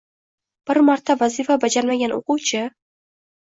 Bir marta vazifa bajarmagan o‘quvchi.